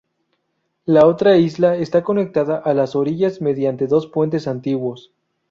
La otra isla está conectada a las orillas mediante dos puentes antiguos.